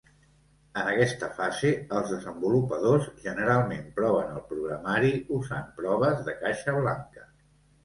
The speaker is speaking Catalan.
En aquesta fase, els desenvolupadors generalment proven el programari usant proves de caixa blanca.